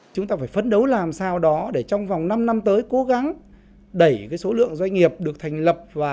chúng ta phải phấn đấu làm sao đó để trong vòng năm năm tới cố gắng đẩy số lượng doanh nghiệp được thành lập